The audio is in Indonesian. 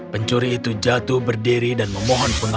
pencuri itu jatuh berdiri dan memohon